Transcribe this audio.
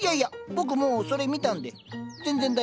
僕もうそれ見たんで全然大丈夫っす。